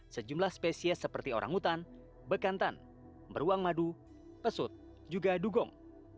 sejumlah spesies seperti orang hutan bekantan beruang madu pesut juga dugong